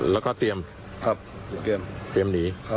แล้วก็เตรียมครับเตรียมหนี